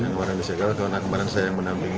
karena kemarin saya yang menamping